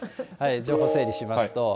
情報整理しますと。